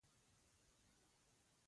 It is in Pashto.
وګړي د عاید د کموالي له امله ځپل کیږي.